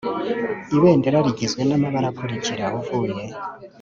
Ibendera rigizwe n’amabara akurikira: uvuye